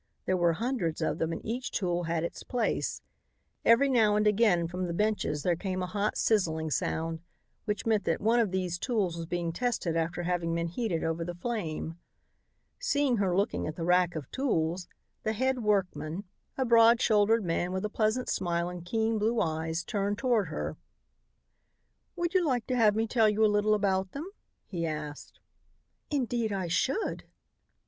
There were hundreds of them, and each tool had its place. Every now and again from the benches there came a hot sizzling sound, which meant that one of these tools was being tested after having been heated over the flame. Seeing her looking at the rack of tools, the head workman, a broad shouldered man with a pleasant smile and keen blue eyes, turned toward her. "Would you like to have me tell you a little about them?" he asked. "Indeed I should."